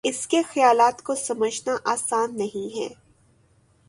اس کے خیالات کو سمجھنا آسان نہیں ہے